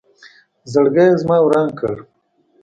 زړګې یې زما وران کړ